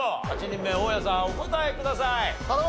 ８人目大家さんお答えください。